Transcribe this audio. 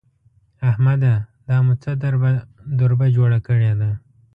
احمده! دا مو څه دربه جوړه کړې ده؟!